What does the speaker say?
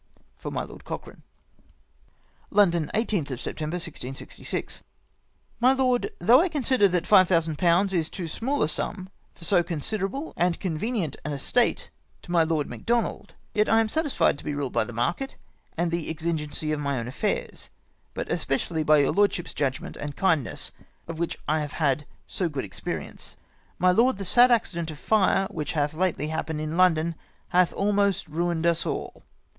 " For my Lord Cochrane." " London, 18tli Sept. 1666. " My Lord, — Though I consider that 5000/. is too small a sum for so considerable and convenient an estate to my Lord ACCOUNT OF THE DUNDONALD FAMILY. 21 Macdonald, yet I am satisfied to be ruled by the market and the exigency of my own affairs, but especially by your lord ship's judgment and kindness, of which I have had so good experience. " My lord, the sad accident of fire which hath lately hap pened in London hath almost ruined us all.